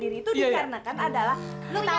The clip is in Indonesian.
itu dikarenakan adalah